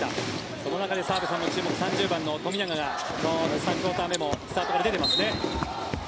その中で澤部さんの注目３０番の富永が３クオーターめもスタートで出ていますね。